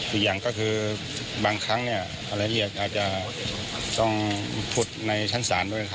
อีกอย่างก็คือบางครั้งอาจจะต้องพูดในชั้นสารด้วย